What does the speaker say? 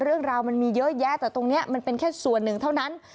เรื่องราวมันมีเยอะแยะแต่ตรงนี้มันเป็นแค่ส่วนหนึ่งเท่านั้น